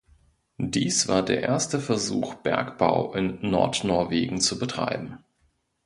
Dies war der erste Versuch Bergbau in Nordnorwegen zu betreiben.